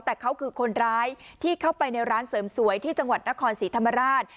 แต่เขาคือคนร้ายที่เข้าไปในร้านเสริมสวยที่จังหวัดนครศรีธรรมราช